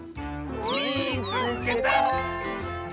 「みいつけた！」。